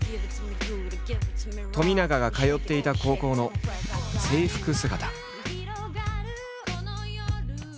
冨永が通っていた高校の制服姿。